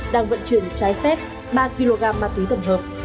đang vận chuyển trái phép ba kg ma túy tổng hợp